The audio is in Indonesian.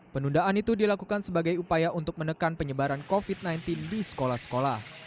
penundaan itu dilakukan sebagai upaya untuk menekan penyebaran covid sembilan belas di sekolah sekolah